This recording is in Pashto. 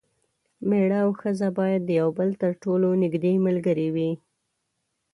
میړه او ښځه باید د یو بل تر ټولو نږدې ملګري وي.